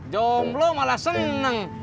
jomblo malah seng